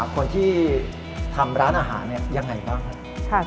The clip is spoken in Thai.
คนที่ทำร้านอาหารยังไงบ้างครับ